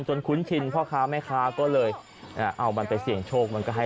จนคุ้นชินพ่อค้าแม่ค้าก็เลยเอามันไปเสียงโชค